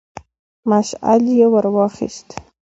مشعل يې ور واخيست.